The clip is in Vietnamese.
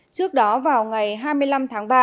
trước đó vào ngày hai mươi năm tháng ba